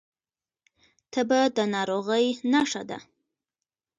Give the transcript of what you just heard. تبه د ناروغۍ نښه ده